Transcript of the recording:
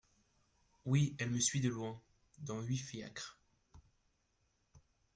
Oui… elle me suit de loin… dans huit fiacres…